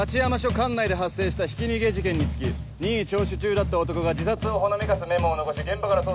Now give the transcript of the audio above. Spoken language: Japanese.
管内で発生したひき逃げ事件につき任意聴取中だった男が自殺をほのめかすメモを残し現場から逃走。